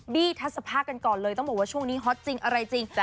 ี้ทัศภากันก่อนเลยต้องบอกว่าช่วงนี้ฮอตจริงอะไรจริง